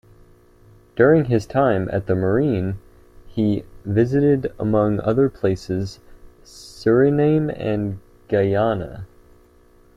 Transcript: During his time at the marine he visited among other places Suriname and Guyana.